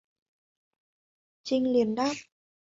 Chinh liền đáp